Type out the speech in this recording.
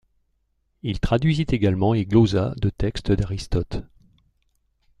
Il traduisit également et glosa de textes d'Aristote.